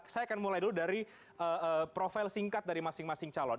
saya akan mulai dulu dari profil singkat dari masing masing calon